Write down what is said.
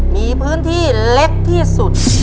มีพื้นที่เล็กที่สุด